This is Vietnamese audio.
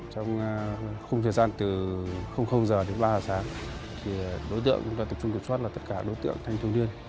trong khung thời gian từ h đến ba h sáng đối tượng chúng ta tập trung kiểm soát là tất cả đối tượng thanh thường niên